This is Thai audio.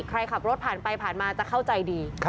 ใครขับรถผ่านไปผ่านมาจะเข้าใจดี